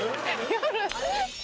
夜？